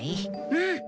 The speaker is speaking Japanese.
うん。